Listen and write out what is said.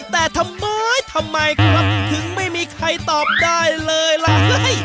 แต่ทำไมทำไมครับถึงไม่มีใครตอบได้เลยล่ะ